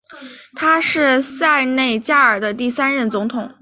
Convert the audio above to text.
他是塞内加尔的第三任总统。